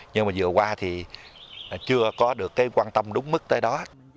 nhưng mà vừa qua thì chưa có được cái quan tâm đúng mức tới đó